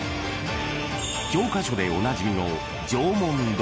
［教科書でおなじみの］